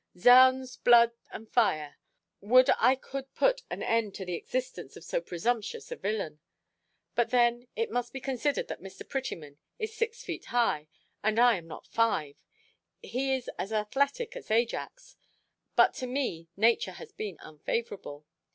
Zounds, blood and fire! would I could put an end to the existence of so presumptuous a villain! But then it must be considered that Mr. Prettyman is six foot high, and I am not five. He is as athletic as Ajax, but to me nature has been unfavourable.